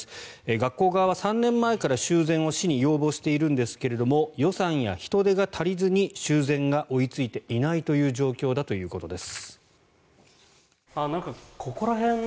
学校側は３年前から修繕を市に要望しているんですが予算や人手が足りずに修繕が追いついていないという状況だということです。